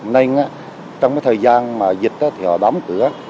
nên trong thời gian dịch thì họ đóng cửa